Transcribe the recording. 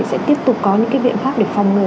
sẽ tiếp tục có những viện pháp để phòng người